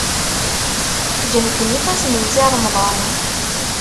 Ǧehden ifassen n Si Remḍan.